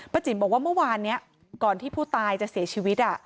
จิ๋มบอกว่าเมื่อวานนี้ก่อนที่ผู้ตายจะเสียชีวิต